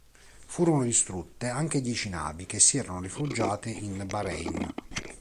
Furono distrutte anche dieci navi che si erano rifugiate in Bahrein.